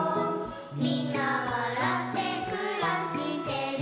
「みんなわらってくらしてる」